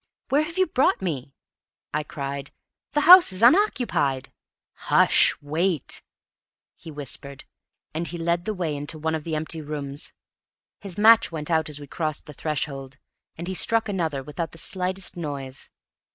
"Where have you brought me?" I cried. "The house is unoccupied!" "Hush! Wait!" he whispered, and he led the way into one of the empty rooms. His match went out as we crossed the threshold, and he struck another without the slightest noise.